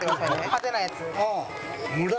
派手なやつ。